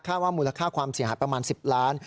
ว่ามูลค่าความเสียหายประมาณ๑๐ล้าน